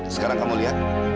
sekarang kamu lihat